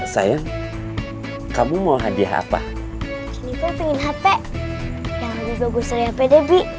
sayang kamu mau hadiah apa ini pengen hp yang bagus bagus hp debi